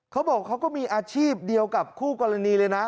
เขาบอกเขาก็มีอาชีพเดียวกับคู่กรณีเลยนะ